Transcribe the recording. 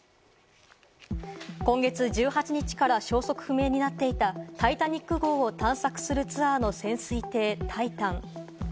今月１８日から消息不明になっていたタイタニック号を探索するツアーの潜水艇タイタン。